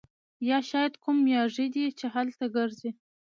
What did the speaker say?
یا شاید کوم یاږ دی چې هلته ګرځي